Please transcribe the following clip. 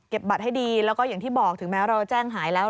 บัตรให้ดีแล้วก็อย่างที่บอกถึงแม้เราแจ้งหายแล้ว